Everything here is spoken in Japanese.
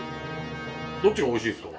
どっちが美味しいですか？